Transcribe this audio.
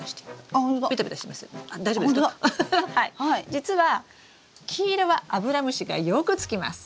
実は黄色はアブラムシがよくつきます。